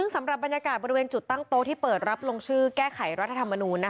สำหรับบรรยากาศบริเวณจุดตั้งโต๊ะที่เปิดรับลงชื่อแก้ไขรัฐธรรมนูล